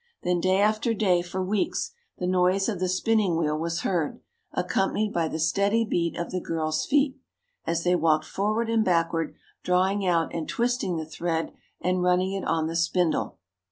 Then, day after day, for weeks, the noise of the spinning wheel was heard, accompanied by the steady beat of the girls' feet, as they walked forward and backward drawing out and twisting the thread and running it on the spindle.